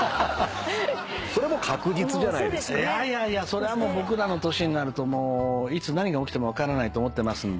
それはもう僕らの年になるといつ何が起きても分からないと思ってますんで。